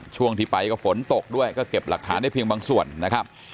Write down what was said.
ช่วงที่ไปก็ฝนตกด้วยก็เก็บหลักฐานได้เพียงบางส่วนนะครับ